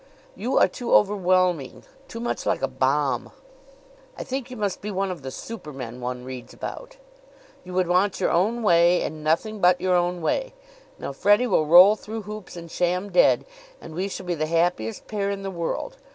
"You are too overwhelming too much like a bomb. I think you must be one of the supermen one reads about. You would want your own way and nothing but your own way. Now, Freddie will roll through hoops and sham dead, and we shall be the happiest pair in the world.